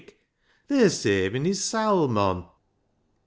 They're savin' his sowl, mon."